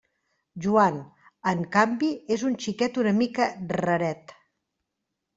Joan, en canvi, és un xiquet una mica «raret».